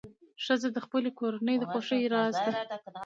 ښځه د خپلې کورنۍ د خوښۍ راز ده.